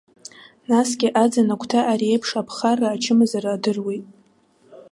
Насгьы, аӡын агәҭа ари еиԥш аԥхарра ачымазара адыруеит.